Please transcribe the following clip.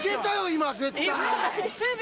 今絶対！